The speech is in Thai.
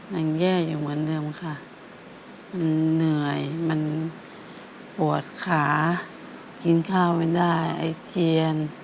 ยังแย่อยู่เหมือนเดิมค่ะมันเหนื่อยมันปวดขากินข้าวไม่ได้ไอ้เทียน